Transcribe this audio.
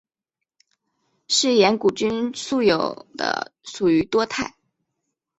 嗜盐古菌素有的属于多肽。